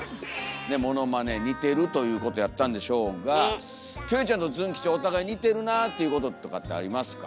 でものまね似てるということやったんでしょうがキョエちゃんとズン吉お互い似てるなあっていうこととかってありますか？